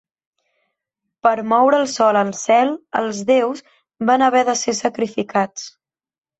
Per moure el sol al cel, els déus van haver de ser sacrificats.